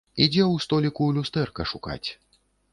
Ідзе ў століку люстэрка шукаць.